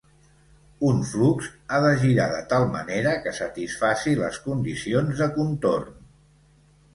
Un flux ha de girar de tal manera que satisfaci les condicions de contorn.